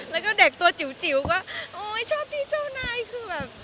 แล้วก็เด็กตัวจิ๋วก็โอ๊ยชอบที่เจ้านายคือแบบ